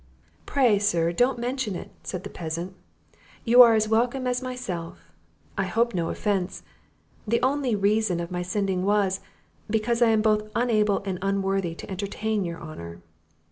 "Pray, sir, don't mention it," said the peasant, "you are as welcome as myself; I hope no offence; the only reason of my sending was, because I am both unable and unworthy to entertain your honour."